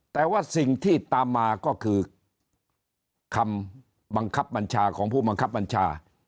แต่ว่าสิ่งที่ตามมาก็คือคำบังคับบัญชาของผู้บังคับบัญชา